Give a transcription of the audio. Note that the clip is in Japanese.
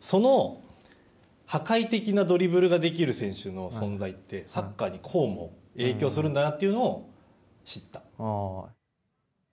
その破壊的なドリブルができる選手の存在ってサッカーにこうも影響するんだなというのを知った。